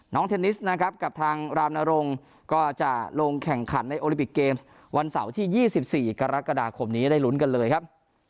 เทนนิสนะครับกับทางรามนรงค์ก็จะลงแข่งขันในโอลิปิกเกมส์วันเสาร์ที่๒๔กรกฎาคมนี้ได้ลุ้นกันเลยครับ